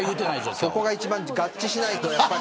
そこが合致しないと。